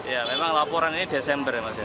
ya memang laporan ini desember ya mas ya